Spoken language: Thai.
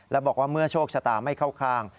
และบอกว่าเมื่อโชคชะตาไม่เข้าข้าง